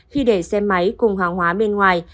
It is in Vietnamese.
khi để xe máy cùng hàng hóa bên ngoài